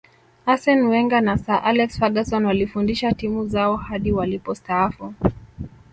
arsene wenger na sir alex ferguson walifundisha timu zao hadi walipostaafu